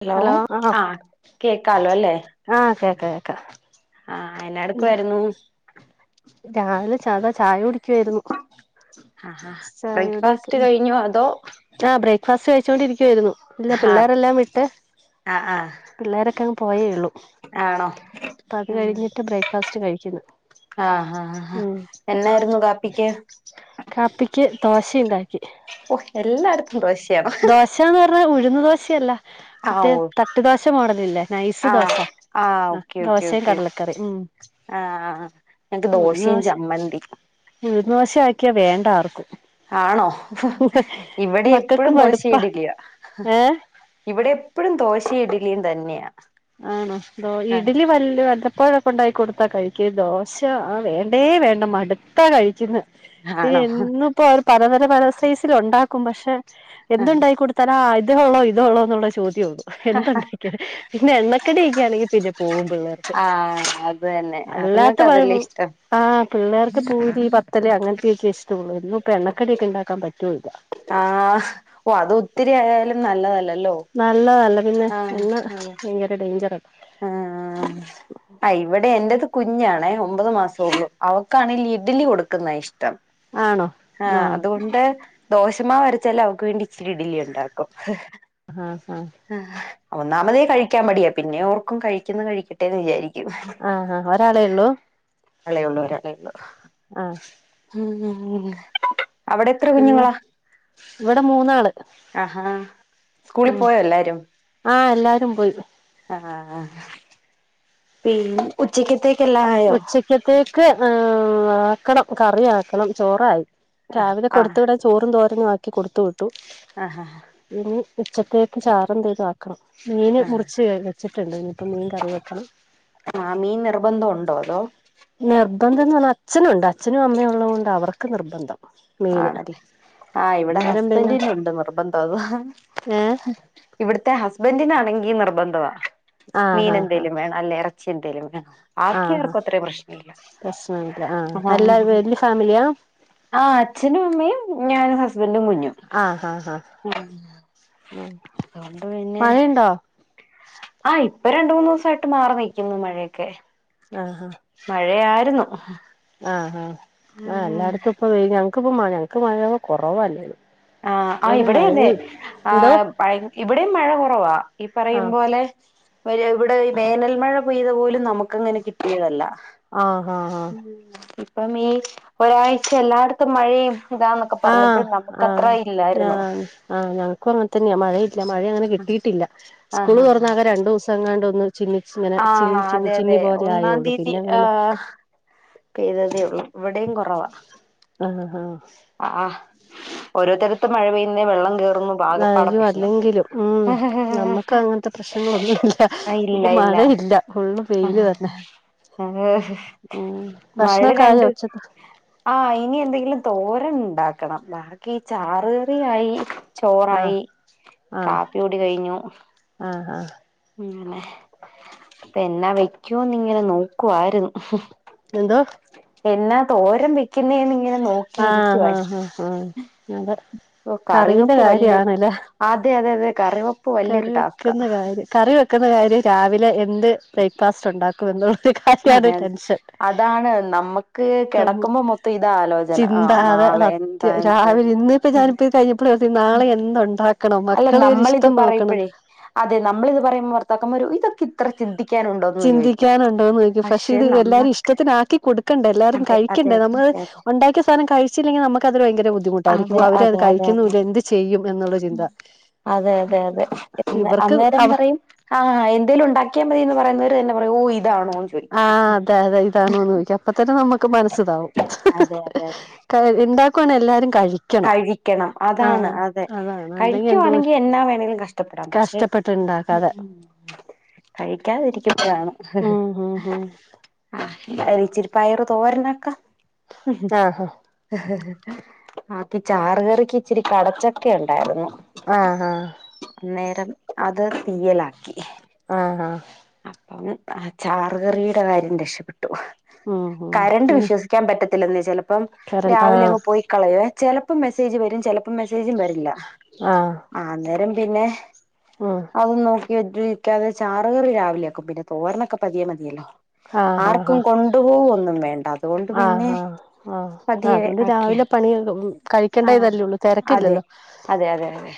Hello, ആ കേക്കാലോലേ ആഹ് കേക്ക കേക്ക ആഹ് എന്നാ എന്താ ഇടുക്കുവാരുന്നു രാവിലെ സാദാ ചായ കുടിക്കുവായിരുന്നു. ഹ ഹ ബ്രേക്ക്ഫാസ്റ്റ് കഴിഞോ അതോ ആ ബ്രേക്ക്ഫാസ്റ്റ് കഴിച്ചോണ്ടിരിക്കുവായിരുന്നു ഇല്ല ആഹ് പിള്ളേരെല്ലാം വിട്ട് ആഹ് ആഹ് പിള്ളേരൊക്കെ അങ്ങ് പോയേ ഉള്ളൂ ആണോ അപ്പൊ അത് ഉം കഴിഞ്ഞിട്ട് ബ്രേക്ക്ഫാസ്റ്റ് കഴിക്കുന്നു ആഹ് ഹ ഹ ഉം എന്നായിരുന്നു കാപ്പിക്ക് കാപ്പിക്ക് ദോശ ഇണ്ടാക്കി ഓഹ്യ് ദോശന്ന് പറഞ്ഞാ ഉഴുന്ന് ദോശയല്ല ആഹ് മറ്റേ ഓഹ് തട്ടു ദോശ മോഡലില്ലേ നൈസ് ദോശ ആഹ് ആഹ് ആ ദോശയും കടലക്കറി ഉം ആഹ ആ ഞക്ക് ഉഴുന്ന് ദോശമ് ദോശ ചമ്മന്ന്തിമ് ഉഴുന്ന് വശം ആക്കിയാ വേണ്ട ആർക്കും ആണോ ഇവിടെ മക്കൾക്ക് എപ്പോഴും ദോശയും മടുപ്പാ ഇടില്യ ഏഹ് ഇവിടെ എപ്പോഴും ദോശയിടിലിയും തന്നെയാ ആണോ ആഹ് ഇഡലി വല്ല വല്ലപ്പോഴ ഉണ്ടാക്കി കൊടുത്താ കഴിക്ക് ദോശ ആ വേണ്ടേ വേണ്ട മടുത്താ കഴിക്കുന്ന പിന്നെ ആണോ എന്നും ഇപ്പോ അവര് പലതര പല സൈസൽ ഉണ്ടാക്കും പക്ഷെ എന്തുണ്ടായികൊ ത ഇതേ ഉള്ളോ ഇതേ ഉള്ളോ എന്നുള്ള ചോദ്യംഒള്ളു എന്തുണ്ടാ ക്കിയാലും പിന്നെ എണ്ണക്കടിയൊക്കെ ആണെങ്കിൽ പിന്നെ പോകും പിള്ളേർക്ക് ആഹ് അത് തന്നെ അല്ലാത്ത അത്ങ്ങക്ക് പഴ് അതല്ലേ ഇഷ്ടം ആ പിള്ളേർക്ക് പൂരി പത്തി രി അങ്ങനത്തെയക്കെ ഇ്ടമുള്ളൂ എന്നുംപ്പ എണ്ണക്കടിയൊക്കെ ഉണ്ടാക്കാൻ പറ്റൂല്ല ആഹ് ഓ അത് ഒത്തിരിയാലും നല്ലതല്ലല്ലോ നല്ലതല്ല പിന്നെ ആഹ് എണ്ണ അതെ ഭയങ്കര ഡേഞ്ചറാ ആഹ് ആ ഇവിടെ എന്റത് കുഞ്ഞാണേ ഒമ്പത് മാസം ഉുള്ളു അവക്കാണെങ്കി ഇഡ്ലി കൊടുക്കുന്ന ഇഷ്ടം ആണോ ആഹ് അതുകൊണ്ട് ദോഷമാ വരച്ചാൽ അവക്ക് വേണ്ടി ഇച്ചിരി ഇടലി ഉണ്ടാക്കും ആഹ് ഹ ഒന്നാമതേ കഴിക്കാൻ മടിയാ പിന്നെ ഓർക്കും കഴിക്കുന്ന കഴിക്ക ട്ടെ വിചാരിക്കും ആഹ് ആഹ് ഒരാളേ ഉള്ളൂ [unintelligible] ആഹ് ഉം അവിടെ എത്ര പിന്നെ കുഞ്ഞുങ്ങളാ ഇവിടെ മൂന്നാള് ആഹാ സ്കൂളിൽ പോയ എല്ലാരും ആ എല്ലാരും പോയി അ ആഹ് പിന്നെ ഉച്ചക്കതേക്കല്ലാ ആയോ ഉച്ചത്തേക്ക് ആക്കണം കറി ആക്കണം ചോറായി ആഹ് രാവിലെ ആഹ് കൊട്ത്ത് വിട ചോറും തോരനും ആക്കി കൊടുതു വിട്ടു ആഹ് ഇനി ഉച്ചത്തേക്ക് ചാറെന്തേലും ആക്കണം മീന് ആഹ് മുറിച്ച് വെച്ചിട്ടുണ്ട് ഇനിപ്പം മീൻ കറി വെക്കണം ആ മീൻ നിർബന്ധം ഉണ്ടോ അതോ നിർബന്ധം എന്ന് പറഞ്ഞാൽ അച്ഛനുണ്ട് അച്ഛനും അമ്മയും ഉള്ളതുകൊണ്ട് അവർക്ക് നിർബന്ധം മീന് ആണല്ലേ ആ ഇവിടെ അന്നേരം പിന്നെ ഹസ്ബന്റിനുണ്ട് നിർബന്ധം അത് ഏഹ് ഇവിടത്തെ ഹസ്ബൻഡിനാണെങ്കിൽ നിർബന്ധമാ ആഹ് മീന ആഹ് ആഹ് എന്തേലും വേണം അല്ലേ ഇറച്ചി [inaudible] ആഹ് ഹ ബാക്കിയാർക്കും അത്ര പ്രശ്നം ഇല്ല പ്രശ്നല്ല ആ അല്ലാ വല്യ ഫാമിലിയാ ആ അച്ഛനും അമ്മയും ഞാനും ഹസ്ബന്റും കുഞ്ഞും ആഹ് ഹാ ഹാ ആ ഉ അതുകൊണ്ട് പിന്നെ മഴയുണ്ടോ ആഹ് ഇപ്പൊ രണ്ട മൂന്ന് ദിവസയിട്ട് മാറി നിക്കുന്നു മഴയൊക്കെ ആഹ് ഹാ മഴയായിരുന്നു ആഹ് ആാ ആ ഉം എല്ലായിടത്തും ഇപ്പൊ വെയിൽ ഞങ്ങക്കിപ്പോ മഴ ഞങ്ങക്ക് മഴയാ കുറവ ആ ആ ഇവിടെയതെ ആ എന്തോ ഭയ ഇവിടെയും മഴ കുറവാ ഈ പറയും ആഹ് പോലെ ഇവിടെ വേനൽ മഴ പെയ്ത് പോലും നമു അങ്ങനെ കിട്ടിയതല്ല ആഹ് ഹാ ആ ഇപ്പം ഈ ഒരാഴ്ച എല്ലായിടത്തും മഴയും ഇതാന്നൊക്കെ പറഞ്ഞപ്പോഴും നമുക്ക് അത്ര ഇല്ലായിരുന്നു ഉം ആ ന മുക്കും അങ്ങന തന്നെയാ മഴയില്ല മഴ അങ്ങനെ കിട്ടിയിട്ടില്ല സ്കൂള് ആഹ് തുറന്ന ആകെ രണ്ട ദിവസംങ്ങാണ്ട് ഒന്ന് ചിന്നിച്ചിങ്ങനെ ആഹ് ചിന്നി ചിന്നി അതെ ചിന്നി അതെ പോലെ ഒന്നാം ആയേള്ളൂ തീയതി പിന്നെ അങ്ങനെ മ ആഹ് പെയ്തതേ ഉള്ളൂ ഇവിടെയും കൊറവാ ആഹ് ഹാ ആ ഓരോത്തടത്ത് മഴ പെയ്യുന്നേ വെള്ളം കേ [unintelligible] അല്ലെങ്കിലും ഉം നമ്മുക്കങ്ങനത്തെ പ്രശ്നങ്ങളൊന്നും ഇപ്പ ആ, ഇല്ല ഇപ്പൊ ഇല്ല മഴയില്ല ഫുള്ളും വെയില് തന്നെ ഉം ഭക്ഷണൊക്കായോ ഉച്ചക്ക് ആഹ് ഇനി എന്തെങ്കിലും തോരൻ ഉണ്ടാക്കണം ബാക്കി ചാറ് കറിയായി ആഹ് ചോറായി ആഹ് കാപ്പികുടി കഴിഞ്ഞു ആഹ് ആഹ് അങ്ങനെ അപ്പ എന്നാ വെക്കൂന്ന് ഇങ്ങനെ നോക്കുവാരുന്നു എന്തോ എന്നാ തോരൻ വെക്കുന്നേന്നിങ്ങനെ നോക്കിയിരിക്കുവാ ആ ഞാൻ പർ കറീന്റെ കറിവെപ്പ് വല്യ കാര്യണ്ല്ലേ അതെ അതെ അതെ കറിവെപ്പ് വല്യൊരു കറി ടാസ്കാ വെക്കുന്ന കാര്യം കറി വെക്കുന്ന കാര്യം രാവിലെ എന്ത് ബ്രേക്ക്ഫാസ്റ്റ് ഉണ്ടാക്കും [unintelligible] കാര്യാണ് അതെ അതെ ടെൻഷൻ തമ്മു ഇപ്പം മൊത്തം ഇതാ ആലോ ചിന്താ അതെ സത്യം രാവിലെ ഇന്ന് ഇപ്പ എന്താ ഞാനിപ്പ കഴിഞ്ഞ പ്പള് തി നാളെ എന്തൊണ്ടാക്കണം മ ല്ല നമ്മളിത് പറയുമ്പഴേ അതെ നമ്മളിത് പറയുമ്പോ ഭർത്താക്കന്മാരു ഇതൊക്കെ ഇത്ര ചിന്തിക്കാനുണ്ടോന്ന് ചോദിക്കും ചിന്തിക്കാനുണ്ടോന്ന് ചോയിക്കും പക്ഷെ ഇത് എല്ലാരും ഇഷ്ടത്തിനാക്കി കൊടു ക്കണ്ടെ എല്ലാരും അതെ അതെ കഴിക്കണ്ടെ നമ്മള്ത് അതെ ഒണ്ടാക്കിയ സാധനം കഴിച്ചില്ലെങ്കിൽ നമുക്കത് ഭയങ്കര അതെ ബുദ്ധിമുട്ടായിരിക്കും അതെ അതെ ഓ അവര് അത് കഴിക്കുന്നില്ല എന്ത് ചെയ്യും എന്നുള്ളൊരു മ് അതെ അതെ അതെ അല്ല ഇവർക്ക് അന്നേരം അവ പറയും ആഹ് എന്തേലും ഉണ്ടാക്കിയാ മതിയെന്ന് പറയുന്നവര് തന്നെ പറയും ഓ ഇതാണോന്ന് ചോദിക്കും ആഹ് അതെ അതെ ഇതാണോന്ന് ചോദിച്ചു അപ്പൊ തന്നെ നമുക്ക് മനസ്സിതാവും അതെ അതെ അതെ [unintelligible] ഇണ്ടാക്കുവാണെ എല്ലാരും കഴി കഴിക്കണം അതാണ് അതെ അതാണ് അല്ലെങ്കിൽ എന്തോ കഴിക്കുവാണെങ്കി എന്നാ വേണെലും കഷ്ടപ്പെടാം പക്ഷെ കഷ്ടപ്പെട്ട് ഇണ്ടാക്കാതെ മ് കഴിക്കാതിരിക്കുമ്പഴാണ് ഉം ഉം ഉം ആ എന്തായാലും ഇച്ചിരി പ്പയറ്തോരനൊക്കെ ആഹ് ആ കി ചാറ്കറിക്കിച്ചിരി കടച്ചക്കെണ്ടാരുന്ന് ആഹ് ഹാ അന്നേരം അത് തീയ്യലാക്കി ആഹ് ഹ അപ്പം ആ ചാറ്കറീടെ കാര്യം രക്ഷപ്പെട്ടു ഉം ഉം കരണ്ട് പിന്നെ വിശ്വസി ക്കാൻ പറ്റത്തില്ലെന്നെ ചെലപ്പം കറൻ ആഹ് രാവിലെയങ്ങ് പോയി കളയെ ചെലപ്പം മെസ്സേജ് വരും ചെല പ്പം മെസ്സേജും വരില്ല ആഹ് അന്നേരം പിന്നെ ഉം അതും നോ ക്കിനിക്കാതെ ചാറുകറി രാവിലെ ആക്കും പിന്നെ തോരനൊക്കെ പതിയേ മതിയല്ലോ ആഹ് ആഹ് ആർക്കും ആഹ് കൊ ണ്ടു പോവൊന്നും വേണ്ട അതുകൊണ്ട് പിന്നെ ആഹ് ആഹ് ആഹ് പതിയെ അതുകൊണ്ട് ആക്കിയ രാവിലെ പണി കഴിയും ആ കഴിക്കേണ്ട ഇതല്ലേള്ളൂ അതെ തെരക്കില്ലല്ലോ അതെ അതെ അതെ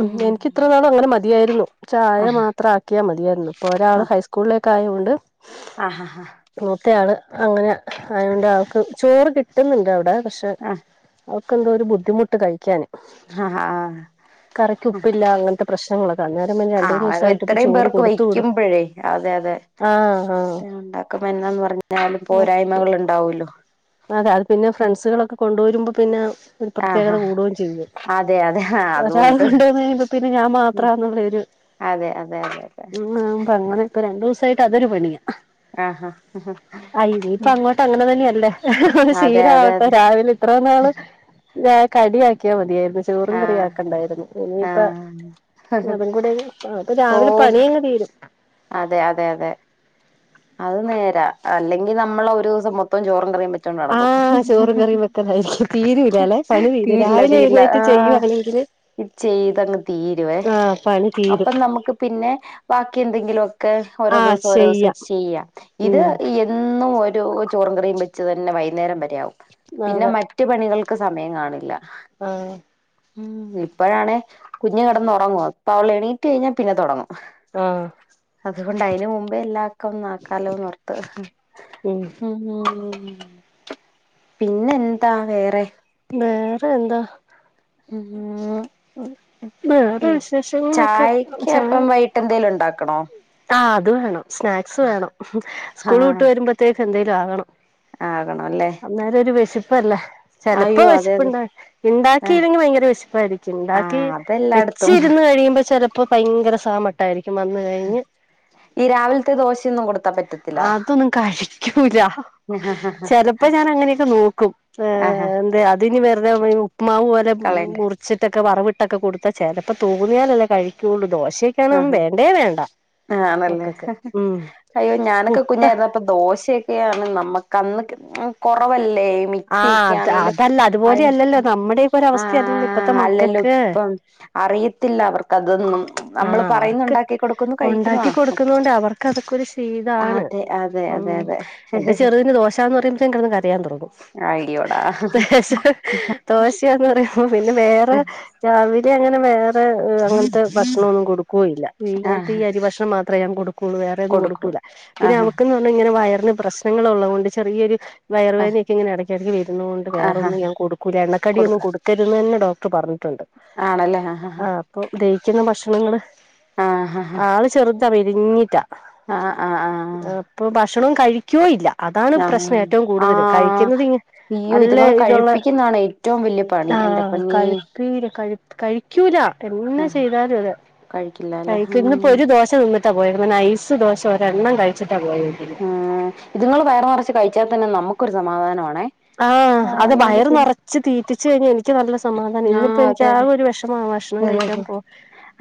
ഉം എനിക്കിത്രനാളും അങ്ങനെ മതിയായിരുന്നു ചായ ആഹ് മാത്രം ആക്കിയാ മതിയായിരുന്നു ഇപ്പൊ ഒരാള് ആഹ് ഹൈസ്കൂളിലേ ക്കായോണ്ട് ആഹ് ആഹ് മൂത്തയാള് അങ്ങനെ ആയൊണ്ട് ആൾക്ക് ചോറ് കിട്ടുന്നുണ്ട് അവിടെ പക്ഷെ അവൾക്കെന്തോ ഒരു ബുദ്ധിമുട്ട് കഴിക്കാന് ആഹ് ആഹ് കറിക്ക് ഉപ്പില്ല അങ്ങനത്തെ പ്രശ്നങ്ങളൊക്കെ അന്നേരം പിന്നെ ആഹ് രണ്ട് മൂന്ന് ആഹ് ദിവസായിട്ടിപ്പം ഇത്രയും ചോറ് പേർക്ക് കൊടുത്തു വിടാ വയ്ക്കുമ്പോഴേ ആഹ് ആഹ് അവക്ക് എന്നാന്ന് പറഞ്ഞാലും പോരായ്മകൾ ഉണ്ടാവല്ലോ അതെ അത് പിന്നെ ഫ്രണ്ട്സുകളൊക്കെ കൊണ്ടാെരുമ്പോ പിന്നെ ഒരു പ്രത്യേകത ആഹാ കൂടുകയും ചെയ്യും അതെ അതെ ആഹ് ഒരാൾ അതുണ്ട് കൊണ്ടുവന്ന് കഴിയുമ്പോത്തിനും പിന്നെ ഞാൻ മാത്രാന്നൊരു അതെ അതെ അതെ അതെ. അങ്ങനെ ഇപ്പൊ രണ്ടൂസായിട്ട് അതൊരു പണിയ ആഹാ അയിനിയിപ്പ അങ്ങോട്ട് അങ്ങനെ തന്നെല്ലേ. അതെ അതെ ശക്ഷീലമാവട്ടെ അതെ രാവിലെ ഇത്ര നാള് കടിയാക്കിയാൽ മതിയായിരുന്നു ചോറും ആഹ് കറിയാക്കണ്ടായിരുന്നു ഇനിയിപ്പ ആഹ് അതും കൂടെ അപ്പൊ ഓ രാവിലെ പണി അങ്ങ് തീരും. അതെ അതെ അതെ. അത് നേരാ അല്ലെങ്കിൽ നമ്മളോരൂസം മൊത്തം ചോറും കറിയും വെച്ചോണ്ട് നടക്കും ആഹ് ചോറും കറിയും വെക്കലായിരിക്കും തീരൂലാല്ലെ പണി തീരും തീരില്ല രാവിലെ തീരില്ല എഴുന്നേറ്റ് ആഹ്. ചെയ്യുവാണെങ്കില് ഇ ചെയ്തങ്ങ് തീരുവേ ആഹ് പണി അപ്പൊ തീരും നമുക്ക് പിന്നെ ബാക്കി എന്തെങ്കിലും ഒക്കെ ഓരോ ആഹ് ദിവസം ഓരോ ദിവസം ചെയ്യാം ചെയ്യാ ഇത് ഉം എന്നും ഒരു ചോറും കറിയും വെച്ച് തന്നെ വൈകുന്നേരം വരെയാവും. പിന്നെ അതെ മറ്റു പണികൾക്ക് സമയം കാണില്ല. ആഹ്. ഉം ഇപ്പോഴാണേ കുഞ്ഞു കെടന്നൂറങ്ങുവാ അപ്പം അവൾ എണീറ്റ് കഴിഞ്ഞാ പിന്നെ തൊടങ്ങും. ആഹ് അതുകൊണ്ട് അതിന് മുമ്പേ എല്ലാ ക്കും ആക്കാലോന്നോർത്ത്. ഉം പിന്നെ എന്താ വേറെ വേറെ എന്താ. ഉം വേറെ വിശേഷങ്ങളൊക്കെ ചായക്ക് ചായ അപ്പം വൈ ട്ടേന്തേലും ഇണ്ടാക്കണോ. ആഹ് അത് വേണം സ്നാക്സ് വേണം സ്കൂൾ വിട്ട് വരുമ്പോത്തേക്കും എന്തേലും ആകണം. ആകണോല്ലേ. അന്നേരൊരു വെശപ്പല്ലേ. ചെലപ്പോ അതെ അതെ വേഷപുണ്ടാവൂല ആ ഇണ്ടാക്കിയില്ലെങ്കിൽ ഭയങ്കര വിശിപ്പായിരിക്കും ഇണ്ടാക്കി ആഹ് അതെല്ലായിടത്തും വെച്ചിരുന്ന് കഴിയുമ്പോ ചെലപ്പോ ഭയങ്കര സാമട്ടായിരിക്കും വന്ന് കഴിഞ്ഞ് ഈ രാവിലത്തെ ദോശയൊന്നും കൊടുത്താ പറ്റത്തില്ല അതൊന്നും കഴിക്കൂല. ചെലപ്പോ ഞാന് അങ്ങനെയൊക്കെ നോക്കും ഏഹ് ആഹാ എന്താ അതിനി വെറുതെ ഉപ്പ്മാവ് പോലെ കളയണ്ട മുറി റിച്ചിട്ടൊക്കെ വറവിട്ടൊക്കെ കൊടുത്താ ചിലപ്പോ തോന്നിയാലല്ലെ കഴിക്കയുള്ളൂ ദോശയൊക്കെയാണ്ന്നും ആഹാ വേണ്ടേ വേണ്ട. ആണല്ലേ മക്കക്ക് ഉം അയ്യോ ഞാനൊക്കെ പുട്ട് കുഞ്ഞായിരുന്നപ്പോ. ഇപ്പം ദോശയൊക്കെയാണ് നമ്മുക്കന്ന് കൊറവല്ലേ ആഹ് മിക്സിയൊക്കെ അത് ആണെിലും അതല്ല അതുപോലെയല്ലല്ലോ നമ്മുടെയൊക്കെ ആ ഒരവസ്ഥയല്ലല്ലോ ഇപ്പത്തെ അല്ലല്ലോ മക്കക്ക് ഇപ്പം അറിയത്തില്ലാ അവർക്കതൊന്നും. നമ്മള് ആഹ് പറയുന്നു അവർക്ക് ഉണ്ടാക്കി കൊടുക്കുന്നു കഴിക്കുന്നു ഒണ്ടാക്കി ആ കൊടുക്കുന്ന ഓക്കെ കൊണ്ട് അവർക്ക് അതൊക്കൊരു ശീലാണ് അതെ അതെ അപ്പം അതെ അതെ എന്റെ ചെറുതിന് ദോശാന്ന് പറയുമ്പത്തേക്ക് കെടന്ന് കരയാൻ തൊടങ്ങും അയ്യോടാ [unintelligible] ദോശയാന്ന് പറയുമ്പോ പിന്നെ വേറെ രാവിലെ അങ്ങനെ വേറെ ഏഹ് അങ്ങനത്തെ ഭക്ഷണോന്നും കൊടുക്കോം ഇല്ലാ ഇങ്ങനത്തെ ഈ ആഹ് അരി ഭക്ഷണം മാത് മാത്രേ ഞാൻ കൊടുക്കോ ഒള്ളൂ വേറെ ഒന്നും കൊടുക്കും കൊടുക്കൂലാ പിന്നെ ആഹാ അവക്ക്ന്ന് പറഞ്ഞാ ഇങ്ങനെ വയറിന് പ്രശ്നങ്ങൾ ഒള്ളത് കൊണ്ട് ചെറിയൊരു വയറുവേദനെയെക്കെ ഇങ്ങനെ എടയ്ക്കെടയ്ക്ക് വെരുന്ന കൊണ്ട് ആഹാ വേറൊന്നും ഞാൻ കൊടുക്കൂലാ എണ്ണക്കടിയൊന്നും കൊടുക്കും കൊടുക്കരുതെന്ന് ഡോക്ടർ പറഞ്ഞു ട്ടുണ്ട് ആഹ് അപ്പം ദഹിക്കുന്ന ഭക്ഷണങ്ങള് ആഹ് ആവിശ് ചെറുതാ മെലിഞ്ഞിറ്റാ ആഹ് ആഹ് ആഹ്. പ്പോ ഭക്ഷണം കഴിക്കോ ഇല്ലാ അതാണ് ആഹ് പ്രശ്നം ആഹ് ഏറ്റവും കൂടുതല് ആഹ് കഴിക്കുന്നത് ഈ നല്ല ഇതൊള്ളെ ഏറ്റോം വെല്യ പ ആഹ് കഴിപ്പീര് കഴിപ് കഴിക്കൂലാ എന്നാ ചെ ആഹ് ചെയ്താലും അതെ കഴിക്കില്ല അല്ലെ ഇന്നിപ്പോ ഉം ഒര് ദോശ് ദോശ തിന്നിട്ടാ പോയെക്കുന്നെ നൈസ് ദോശ ഒരെണ്ണം കഴിച്ചിട്ടാ പോയെക്കുന്നെ ആഹ് ഇതുങ്ങള് വയർ നെറച്ച് കഴിച്ചാ തന്നെ നമ്മക്കൊരു സമാധാനവാണേ. ആഹ് അത് വയറ് നെറച്ച് തീറ്റിച്ച് കഴിഞ്ഞാ എനിക്ക് നല്ല സമാധാനാ ഇന്നിപ്പോ ആഹ് എനിക്ക് അതെ ആകെ ഒരു വെഷമവാ ഭക്ഷണം കഴിക്കാ അതെ [unintelligible]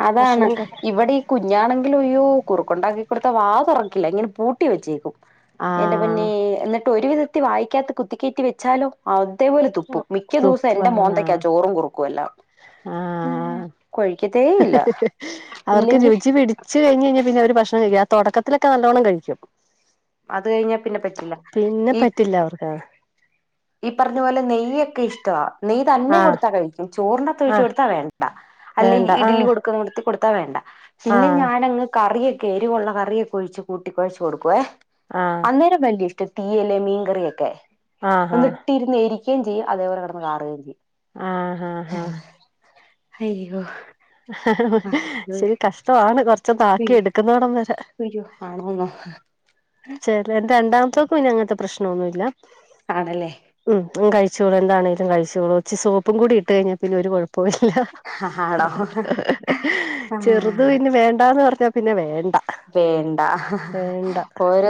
അതാണ് ഇവിടെ ഈ കുഞ്ഞാണെങ്കിലും ഇയ്യോ കുറുക്കുണ്ടാക്കി കൊടുത്താ വാ തൊറക്കില്ലാ ഇങ്ങനെ പൂട്ടി വെച്ചേക്കും എന്റെ ആഹ് പൊന്നേ എന്നിട്ട് ഒരു വിധത്തി വായ്ക്കകത്ത് കുത്തി കേറ്റി വെച്ചാലോ അതേ പോലെ തുപ്പും മിക്ക ദിവസോം തുപ്പ് എന്റെ ആഹ് മോന്തക്കാ ചോറും കുറുക്കുവെല്ലാം ആഹ് ഇല്ല അവർക്ക് ഇല്ലെങ്കി രുചി പിടി ച്ച് കഴിഞ്ഞ് കഴിഞ്ഞാ പിന്നെ അവര് ഭക്ഷണം കഴിക്കില്ലാ ആ തൊടക്കത്തിലൊക്കെ നല്ലോണം കഴിക്കും അത് കഴിഞ്ഞാ പിന്നെ പറ്റില്ല പിന്നെ ഈ പറ്റില്ല അവർക്ക് ആഹ് ഈ പറഞ്ഞ പോലെ നെയ്യൊക്കെ ഇഷ്ട്ടവാ നെയ് തന്നെ ആഹ് കൊടുത്താ കഴിക്കും ചോറിന്റാത്ത് ഒഴിച്ചു ആഹ് കൊടുത്താ വേണ്ടാ അല്ലെങ്കി വേണ്ട ഇഡ്ലി ആഹ് കൊടുക്കണോടത് ത്തി കൊടുത്താ വേണ്ടാ പിന്നെ ആഹ് ഞാനങ്ങ് കറിയൊക്കെ എരിവൊള്ള കറിയൊക്കെ ഒഴിച്ച് കൂട്ടി കൊഴച്ച് കൊടുക്കുവേ ആഹ് അന്നേരം വല്യ ഇഷ്ട്ടാ തീയല് മീൻകറിയൊക്കെ ആഹ് ആഹ് അന്നിട്ട് ഇരുന്നു എരിക്കേം ചെയ്യും അതേ പോലെ കെടന്ന് കാറുകേം ചെയ്യും ആഹ് ആഹ് ആഹ് അയ്യോ ആ ഇച്ചിരി കഷ്ട്ടവാണ് കൊറച്ച് ഒന്ന് ആക്കി എടുക്കുന്നോടം വരെ ഇയ്യോ ആണോന്നോ ചെലെ എന്റെ രണ്ടാമത്തോക്ക് പിന്നെ അങ്ങൻത്തെ പ്രശ്നവൊന്നും ഇല്ലാ ആണല്ലേ ഉം അവൻ കഴിച്ചോളും എന്താണേലും കഴിച്ചോളും ഇച്ചി സോപ്പും കൂടി ഇട്ട് കഴിഞ്ഞാ പിന്നെ ഒരു കൊഴപ്പോം ഇല്ലാ ആണോ ചെറുത് ആഹ് പിന്നെ വേണ്ടാന്ന് പറഞ്ഞാ പിന്നെ വേണ്ടാ വേണ്ടാ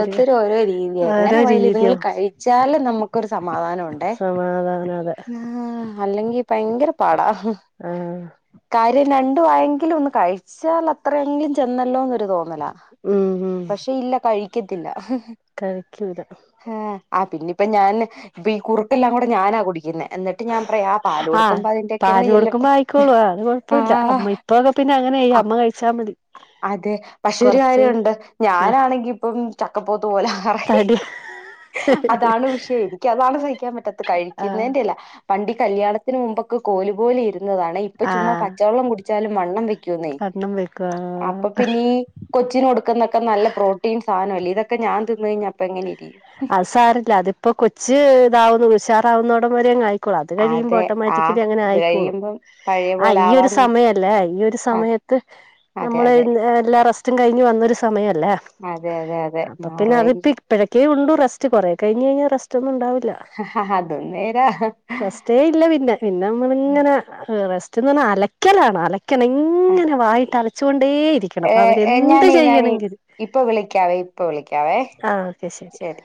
ഒരു ഓരോ രീതിയാ എങ്ങനെ ഓരോ പോയാലും ഇതുങ്ങള് രീതിയും കഴിച്ചാല് നമ്മക്കൊരു സമാധാനം ഒണ്ടേ സമാധാനം അതെ ആഹ് അല്ലെങ്കി ഭയങ്കര പാടാ ആഹ് കാര്യം രണ്ടു വായെങ്കിലും ഒന്ന് കഴിച്ചാൽ അത്രയെങ്കിലും ചെന്നല്ലോന്ന് ഒരു [unintelligible] തോന്നല ഉം ഉം പക്ഷെ ഇല്ല കഴിക്കത്തില്ല കഴിക്കൂല ഹാ ആഹ് പിന്നെ ഇപ്പ ഞാന് ഇപ്പ ഈ കുറുക്കെല്ലാം കൂടെ ഞാനാ കുടിക്കുന്നേ എന്നി ട്ട് ഞാൻ പറയാ ആഹ് പാല് ആഹ് കൊടുക്കുമ്പോ അതിന്റെക്കങ്ങ് പാല് ചെല്ലട്ടെ ആഹ് ആഹ് ആഹ് ഇപ്പൊക്ക പിന്നെ അങ്ങനെയായി അമ്മ കഴിച്ചാ മതി അതെ പക്ഷെ ഒരു കൊറച്ച് കാര്യോണ്ട് ഞാനാണെങ്കി ഇപ്പം ചക്ക പോത്ത് പോല ആകാറായി തടി അതാണ് വിഷയം എനിക്ക് അതാണ് സഹിക്കാൻ പറ്റാത്ത ആഹ് കഴിക്കുന്നേന്റെ അല്ല ല്ലാ പണ്ടീ കല്യാണത്തിന് മുമ്പൊക്കെ കോലു പോലെ ഇരുന്നതാണെ ഇപ്പൊ ചുമ്മ ആഹ് പച്ചവെള്ളം കുടിച്ചാലും വണ്ണം വെ ക്കുന്നേ കണ്ണം വെക്കുക അപ്പൊ പിന്നീ കൊച്ചിന് കൊടുക്കുന്നക്ക നല്ല പ്രോട്ടീൻ സാധനല്ലേ ഇതൊക്കെ ഞാൻ തിന്ന് കഴിഞ്ഞ അപ്പോ എങ്ങനെ ഇരിക്കും അത് സാരല്ല അതിപ്പോ കൊച്ച് ഇതാവുന്നു ഉഷാറാവുന്നൊടം വരെ അങ്ങ് ആയി [unintelligible] അത് കഴിയുമ്പോ അതെ ആ ഓട്ടോമാറ്റിക്കലി അങ്ങനെ ഇത് ആയിക്കോളും കഴിയുമ്പം പഴയ ആഹ് പോലെ ഈ ഒരു ആവാന്നോ സമയല്ലേ ഈ ഒരു സമയ അതെ ക്ക്‌ അതെ നമ്മള് അതെ ഏഹ് എ എല്ലാ റസ്റ്റും കഴിഞ്ഞ് വന്നൊരു സമയല്ലേ അതെ അതെ അതെ മാറുവായിരിക്കും ഇപ്പഴക്കേ ഉണ്ട് റെസ്റ്റ്‌ കൊറേ കഴിഞ്ഞ് കഴിഞ്ഞാൽ റെസ്റ്റ് ഒന്നും ഉണ്ടാവൂല അതും നേര റെസ്റ്റേ ഇല്ല പിന്നെ പിന്നെ നമ്മള് ഇങ്ങന റെസ്റ്റ്ന്ന് പറഞ്ഞാ അലക്കലാണ് അല ക്കല് ഇങ്ങനെ വായിട്ട് അലച്ചു കൊണ്ടേ ഇരി ഏഹ് ഞാനെ ഞാനെ ഇപ്പ വിളിക്കാവേ ഇപ്പ വിളിക്കാവേ ആ ഓക്കെ ശരി